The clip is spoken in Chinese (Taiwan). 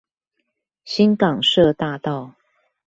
新港社大道